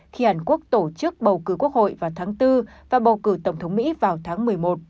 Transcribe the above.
khi hàn quốc tổ chức bầu cử quốc hội vào tháng bốn và bầu cử tổng thống mỹ vào tháng một mươi một